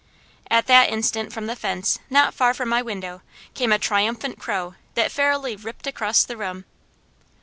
At that instant from the fence not far from my window came a triumphant crow that fairly ripped across the room.